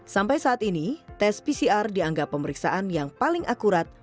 sampai saat ini tes pcr dianggap pemeriksaan yang paling akurat